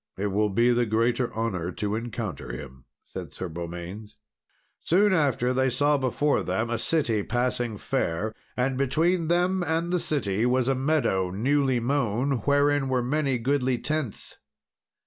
"It will be the greater honour to encounter him," said Sir Beaumains. Soon after, they saw before them a city passing fair, and between them and the city was a meadow newly mown, wherein were many goodly tents.